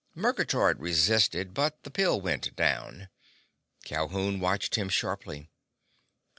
Murgatroyd resisted, but the pill went down. Calhoun watched him sharply.